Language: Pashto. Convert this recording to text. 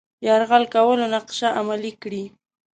یرغل کولو نقشه عملي کړي.